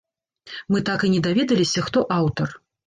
Мы так і не даведаліся, хто аўтар.